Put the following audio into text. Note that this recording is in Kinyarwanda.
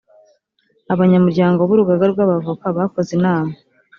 abanyamuryango b’urugaga rw’ abavoka bakoze inama